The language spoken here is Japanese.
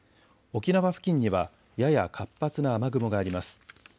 沖縄付近にはやや活発な雨雲があります。